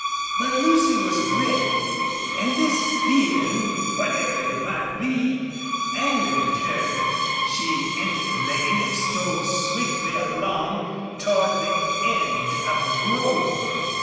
But Lucy was brave, and this feeling, whatever it might be, angered her. She entered the lane and stole swiftly along toward the end of the grove.